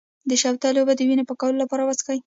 د شوتلې اوبه د وینې پاکولو لپاره وڅښئ